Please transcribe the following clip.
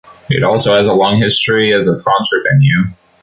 It also has a long history as a concert venue.